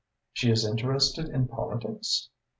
"She is interested in politics?"